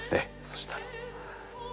そしたら。